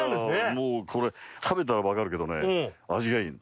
もうこれ食べたら分かるけどね味が良いの。